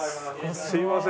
すいません